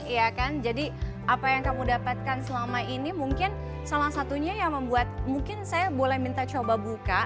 iya kan jadi apa yang kamu dapatkan selama ini mungkin salah satunya yang membuat mungkin saya boleh minta coba buka